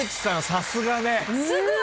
さすがね。